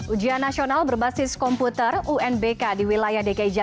ujian nasional berbasis komputer unbk di wilayah dki jakarta sempat terkendala jaringan internet